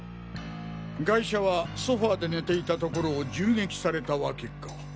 ガイシャはソファで寝ていたところを銃撃された訳か。